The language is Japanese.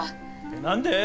何で？